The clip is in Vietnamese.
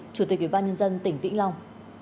chủ tịch ủy ban nhân dân tỉnh vĩnh long